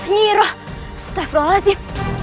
nyiiroh setelah itu